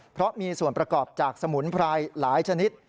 เพราะมีส่วนประกอบจากสมุนไพรหลายชนิด